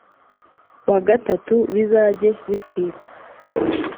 Wa gatatu bizajye bitwikwa